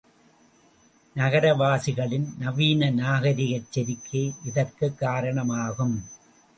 நகர வாசிகளின் நவீன நாகரிகச் செருக்கே இதற்குக் காரணம் ஆகும்.